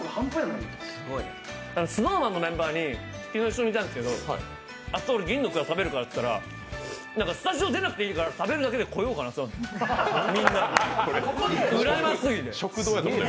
ＳｎｏｗＭａｎのメンバーに、昨日一緒にいたんですけど、明日、俺、銀のくら食べるからって言ったら食べるだけで来ようかなって、みんな言ってました。